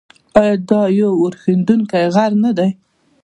آیا دا یو اورښیندونکی غر نه دی؟